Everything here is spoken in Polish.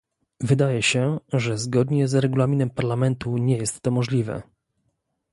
Wydaje się, że zgodnie z regulaminem Parlamentu nie jest to możliwe